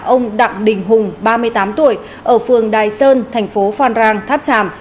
ông đặng đình hùng ba mươi tám tuổi ở phường đài sơn thành phố phan rang tháp tràm